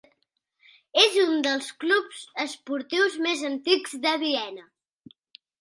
És un dels clubs esportius més antics de Viena.